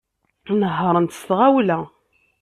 Nehhṛent s tɣawla.